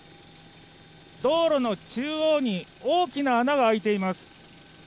道路の中央に大きな穴が開いています。